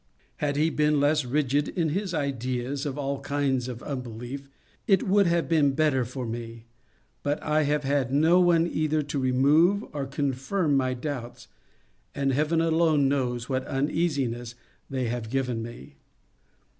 Had he been less rigid in his ideas of all kinds of unbelief, it would have been better for me. But I have had no one either to remove or confirm my doubts, and heaven alone knows what uneasiness they have given me.